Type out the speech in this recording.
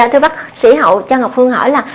thưa bác sĩ hậu cho ngọc phương hỏi là